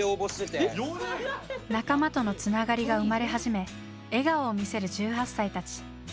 仲間とのつながりが生まれ始め笑顔を見せる１８歳たち。